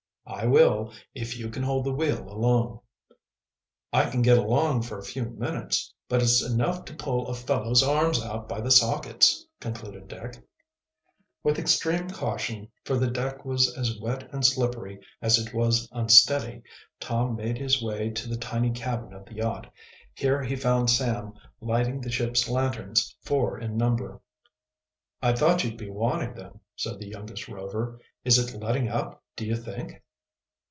"I will, if you can hold the wheel alone." "I can get along for a few minutes. But it's enough to pull a fellow's arms out by the sockets," concluded Dick. With extreme caution, for the deck was as wet and slippery as it was unsteady, Tom made his way to the tiny cabin of the yacht. Here he found Sam lighting the ship's lanterns, four in number. "I thought you'd be wanting them," said the youngest Rover. "Is it letting up, do you think?"